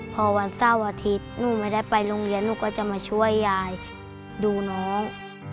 พอวันเสาร์อาทิตย์หนูไม่ได้ไปโรงเรียนหนูก็จะมาช่วยยายดูน้อง